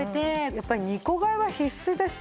やっぱり２個買いは必須ですね。